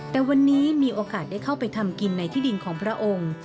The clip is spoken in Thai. แต่วันนี้มีโอกาสได้เข้าไปทำกินในที่ดินของพระองค์